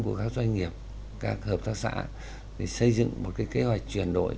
của các doanh nghiệp các hợp tác xã để xây dựng một cái kế hoạch chuyển đổi